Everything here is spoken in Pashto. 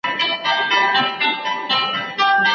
هغه محصل چي ډېرې پوښتنې کوي ډېر څه زده کوي.